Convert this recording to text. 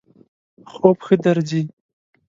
خوب ښه درځی؟